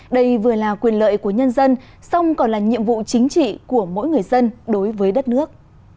đây vừa là quyền lợi của nhân dân song còn là nhiệm vụ chính trị của mỗi người dân đối với đất nước